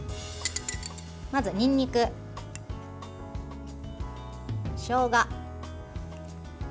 まず、にんにく、しょうが、砂糖。